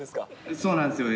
そうなんですよね。